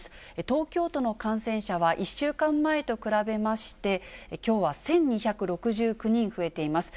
東京都の感染者は１週間前と比べまして、きょうは１２６９人増えています。